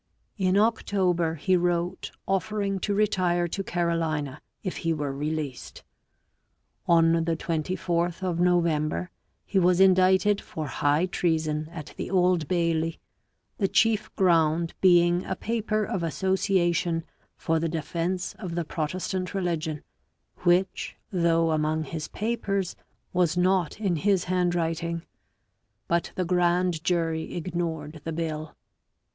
In October he wrote offering to retire to Carolina if he were released. On the 24th of November he was indicted for high Treason at the Old Bailey, the chief ground being a paper of association for the defence of the Protestant religion, which, though among his papers, was not in his handwriting; but the grand jury ignored the bill.